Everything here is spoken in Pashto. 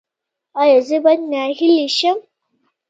ایا زه باید ناهیلي شم؟